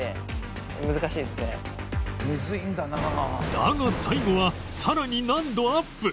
だが最後はさらに難度アップ